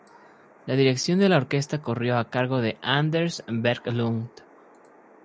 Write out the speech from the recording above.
La dirección de la orquesta corrió a cargo Anders Berglund.